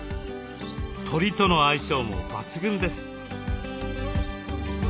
鳥との相性も抜群です。